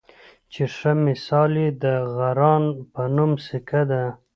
چې ښۀ مثال یې د غران پۀ نوم سیکه ده